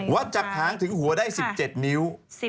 จากหางถึงหัวได้๑๗นิ้ว